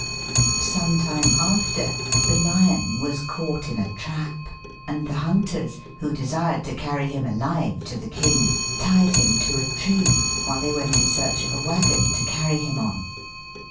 Some time after the lion was caught in a trap, and the hunters, who desired to carry him alive to the king, tied him to a tree while they went in search of a wagon to carry him on.